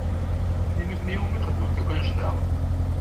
I nutni i wumi txedmemt akk annect-a?